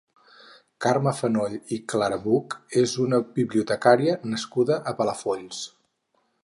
Carme Fenoll i Clarabuch és una bibliotecària nascuda a Palafolls.